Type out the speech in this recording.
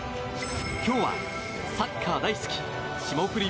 今日はサッカー大好き霜降り